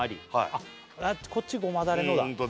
あっこっちごまダレのだうん